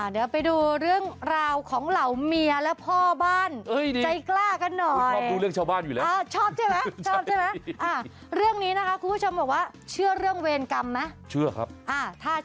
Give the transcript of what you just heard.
เดี๋ยวไปดูเรื่องราวของเหล่าเมียและพ่อบ้าน